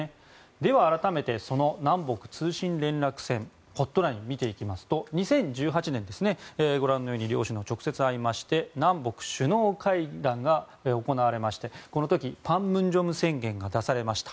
では、改めてその南北通信連絡線ホットラインを見ていきますと、２０１８年ご覧のように両首脳が直接会いまして南北首脳会談が行われましてこの時、板門店宣言が出されました。